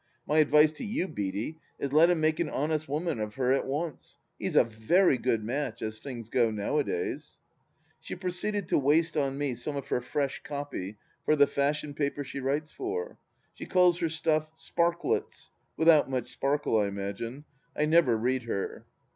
My advice to you, Beaty, is let him make an honest woman of her at once ! He's a very good match, as things go, nowadays I " She proceeded to waste on me some of her fresh copy for the fashion paper she writes for. She calls her stuff " Sparklets "—without much sparkle, I imagine ? I never read her.